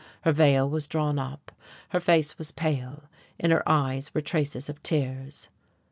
Her veil was drawn up, her face was pale, in her eyes were traces of tears.